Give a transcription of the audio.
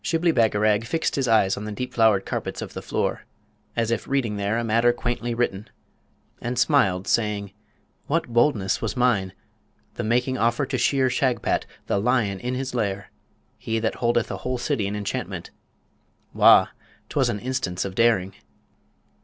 Shibli Bagarag fixed his eyes on the deep flowered carpets of the floor, as if reading there a matter quaintly written, and smiled, saying, 'What boldness was mine the making offer to shear Shagpat, the lion in his lair, he that holdeth a whole city in enchantment! Wah! 'twas an instance of daring!'